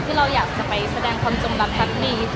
คือเราอยากจะไปแสดงความจงบำพัดดี